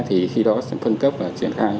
thì khi đó sẽ phân cấp và triển khai